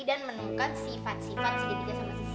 dan menungkan sifat sifat segitiga sama sisi